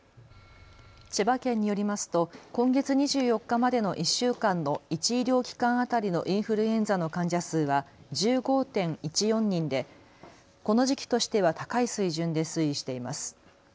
千葉県によりますと今月２４日までの１週間の１医療機関当たりのインフルエンザの患者数は１５．１４人でこの時期としては高い水準で推移しています。